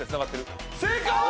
正解！